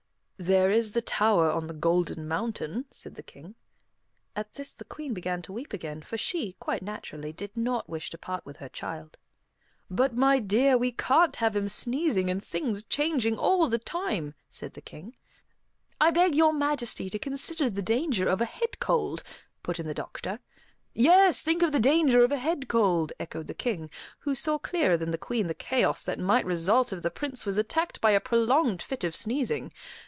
"There is the tower on the Golden Mountain," said the King. At this the Queen began to weep again, for she, quite naturally, did not wish to part with her child. "But, my dear, we can't have him sneezing, and things changing all the time," said the King. "I beg Your Majesty to consider the danger of a head cold," put in the doctor. "Yes, think of the danger of a head cold," echoed the King, who saw clearer than the Queen the chaos that might result if the Prince was attacked by a prolonged fit of sneezing.